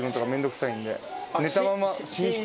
寝たまま。